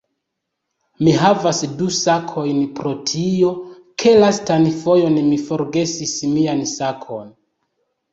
Mi havas du sakojn pro tio, ke lastan fojon mi forgesis mian sakon